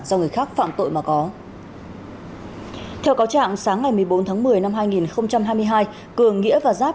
do người khác phạm tội mà có theo cáo trạng sáng ngày một mươi bốn tháng một mươi năm hai nghìn hai mươi hai cường nghĩa và giáp